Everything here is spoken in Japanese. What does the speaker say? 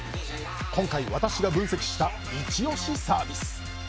今回私が分析したイチ押しサービス。